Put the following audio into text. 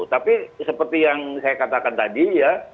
tapi seperti yang saya katakan tadi ya